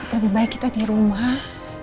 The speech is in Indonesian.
lebih baik kita di rumah